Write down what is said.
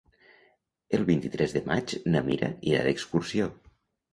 El vint-i-tres de maig na Mira irà d'excursió.